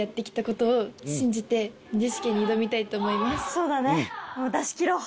そうだねもう出し切ろう。